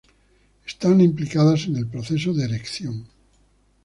Están implicadas en el proceso de erección.